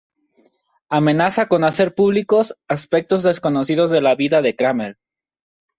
Amenaza con hacer públicos aspectos desconocidos de la vida de Kramer.